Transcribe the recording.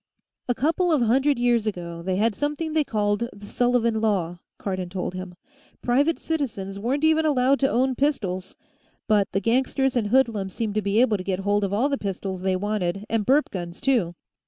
"A couple of hundred years ago, they had something they called the Sullivan Law," Cardon told him. "Private citizens weren't even allowed to own pistols. But the gangsters and hoodlums seemed to be able to get hold of all the pistols they wanted, and burp guns, too.